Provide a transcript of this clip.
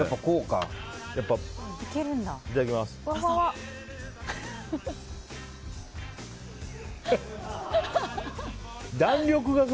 いただきます。